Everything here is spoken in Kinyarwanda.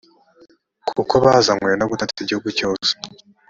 kuko bazanywe no gutata igihugu cyose.